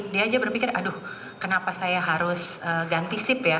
dia aja berpikir aduh kenapa saya harus ganti stip ya